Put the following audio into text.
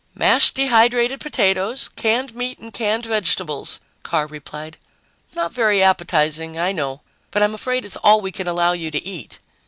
"Mashed dehydrated potatoes, canned meat and canned vegetables," Carr replied. "Not very appetizing. I know, but I'm afraid it's all we can allow you to eat."